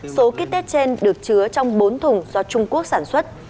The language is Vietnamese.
số kit test trên được chứa trong bốn thùng do trung quốc sản xuất